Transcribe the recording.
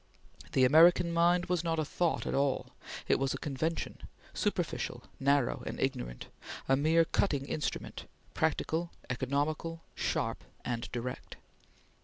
The American mind was not a thought at all; it was a convention, superficial, narrow, and ignorant; a mere cutting instrument, practical, economical, sharp, and direct.